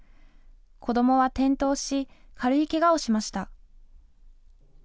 子どもは転倒し軽いけがをしました。